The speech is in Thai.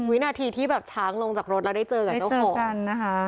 วินาทีที่แบบช้างลงจากรถแล้วได้เจอกับเจ้าของนะคะ